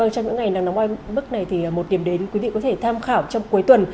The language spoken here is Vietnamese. trong những ngày nắng nóng oi bức này thì một điểm đến quý vị có thể tham khảo trong cuối tuần